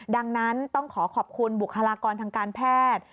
ดังนั้นต้องขอขอบคุณบุคลากรทางการแพทย์